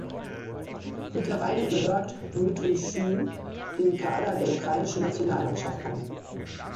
Mittlerweile gehört Dmytryschyn dem Kader der ukrainischen Nationalmannschaft an.